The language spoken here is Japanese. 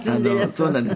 「そうなんです」